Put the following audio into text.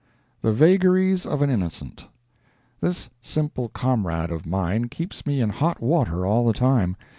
THE VAGARIES OF AN INNOCENT This simple comrade of mine keeps me in hot water all the time.